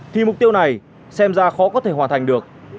thì mục tiêu này xem ra khó có thể hoàn thành được